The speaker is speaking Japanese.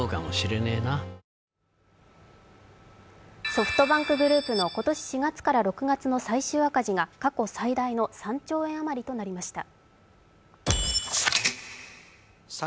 ソフトバンクグループの今年４月から６月の最終赤字が過去最大の３兆円余りとなりました